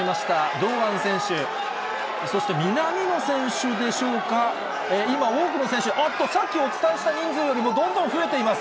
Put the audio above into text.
堂安選手、そして南野選手でしょうか、今、多くの選手、あっと、さっきお伝えした人数よりも、どんどん増えています。